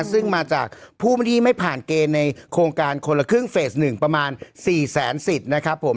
ซึ่งมาจากผู้ที่ไม่ผ่านเกณฑ์ในโครงการคนละครึ่งเฟส๑ประมาณ๔แสนสิทธิ์นะครับผม